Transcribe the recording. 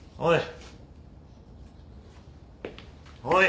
おい。